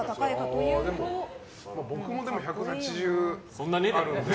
僕もでも１８０あるので。